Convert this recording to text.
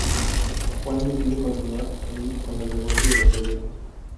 Juan decide continuar ahí con el negocio de las galletas.